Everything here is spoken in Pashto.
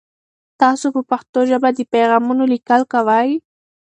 تاسو په پښتو ژبه د پیغامونو لیکل کوئ؟